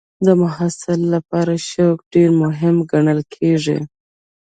د محصل لپاره شوق ډېر مهم ګڼل کېږي.